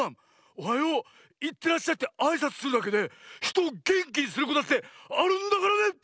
「おはよう」「いってらっしゃい」ってあいさつするだけでひとをげんきにすることだってあるんだからね！